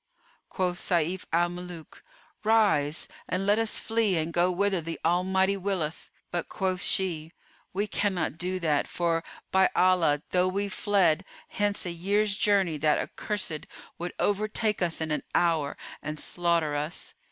Quoth Sayf al Muluk, "Rise and let us flee and go whither the Almighty willeth;" but, quoth she, "We cannot do that: for, by Allah, though we fled hence a year's journey that accursed would overtake us in an hour and slaughter us."